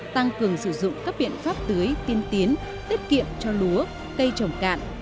tăng cường sử dụng các biện pháp tưới tiên tiến tiết kiệm cho lúa cây trồng cạn